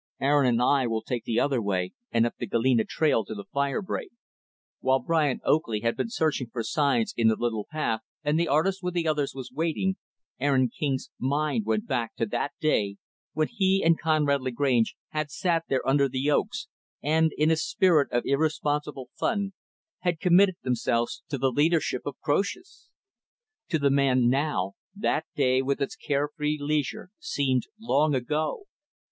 Aaron and I will take the other way, and up the Galena trail to the fire break." While Brian Oakley had been searching for signs in the little path, and the artist, with the others, was waiting, Aaron King's mind went back to that day when he and Conrad Lagrange had sat there under the oaks and, in a spirit of irresponsible fun, had committed themselves to the leadership of Croesus. To the young man, now, that day, with its care free leisure, seemed long ago.